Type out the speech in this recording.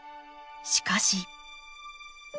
しかし。